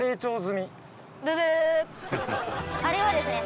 あれはですね